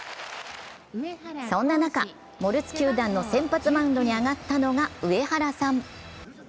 そんな中、モルツ球団の先発マウンドに上がったのが上原さん。